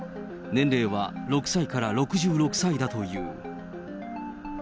年齢は６歳から６６歳だという。